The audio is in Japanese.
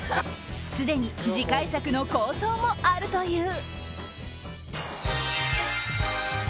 すでに次回作の構想もあるという。